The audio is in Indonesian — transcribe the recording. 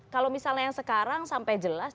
kalau misalnya yang sekarang sampai jelas